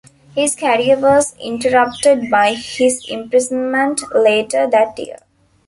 His career was interrupted by his imprisonment later that year.